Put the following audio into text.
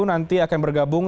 nanti akan bergabung